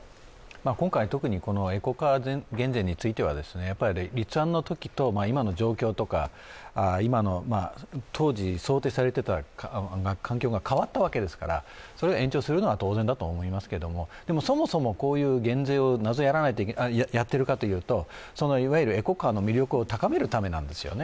今回特に、このエコカー減税については立案のときと、今の状況とか、当時想定されてた環境が変わったわけですからそれを延長するのは当然だと思いますけど、そもそもこういう減税をなぜやっているかというといわゆるエコカーの魅力を高めるためなんですよね